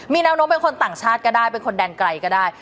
มีแนวโน้มเป็นคนต่างชาติก็ได้เป็นคนแดนไกลก็ได้